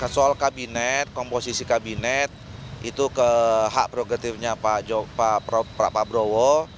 soal kabinet komposisi kabinet itu ke hak prerogatifnya pak prabowo